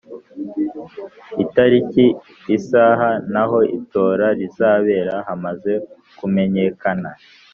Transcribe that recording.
Itariki isaha n’ aho itora rizabera hamaze kumenyekana